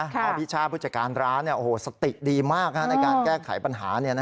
เพราะพี่ช่าผู้จัดการร้านสติดีมากในการแก้ไขปัญหา